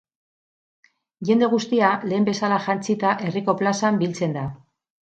Jende guztia lehen bezala jantzita herriko plazan biltzen da.